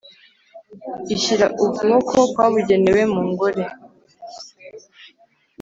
ishyira ukuboko kwabugenewe mu ngore